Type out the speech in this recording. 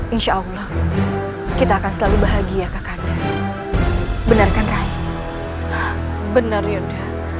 insyaallah kita akan selalu bahagia kakanda benarkan rai benar yoda